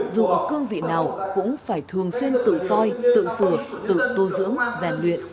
dù ở cương vị nào cũng phải thường xuyên tự soi tự sửa tự tu dưỡng rèn luyện